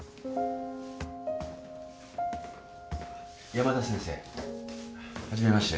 山田先生初めまして。